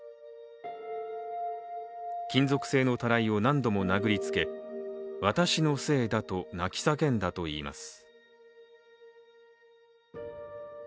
金属製のたらいを何度も殴りつけ私のせいだと泣き叫んだといいます。